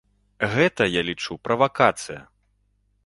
Гэта, я лічу, правакацыя.